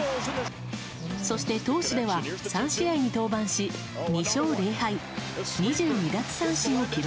そして投手では３試合に登板し２勝０敗２２奪三振を記録。